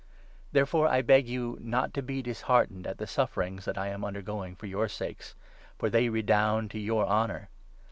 Therefore I beg you not to be disheartened at the sufferings that I am under going for your sakes ; for they redound to your honour.